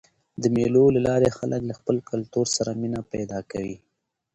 د مېلو له لاري خلک له خپل کلتور سره مینه پیدا کوي.